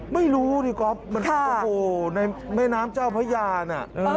ไม่รู้นี่ก๊อฟในแม่น้ำเจ้าพญานน่ะ